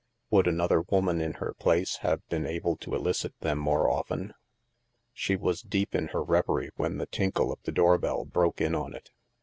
Would another woman, in her place, have been able to elicit them more often? She was deep in her reverie when the tinkle of the doorbell broke in on it.